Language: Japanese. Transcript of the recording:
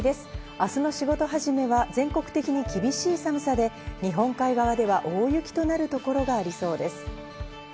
あすの仕事始めは全国的に厳しい寒さで、日本海側では大雪となる所がありそうです。